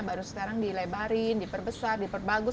baru sekarang dilebarin diperbesar diperbagus